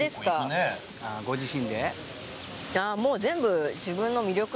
あご自身で？